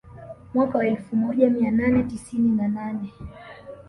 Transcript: Mwaka wa elfu moja mia nane tisini na nane